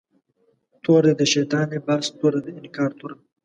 تور دی د شیطان لباس، تور دی د انکار توره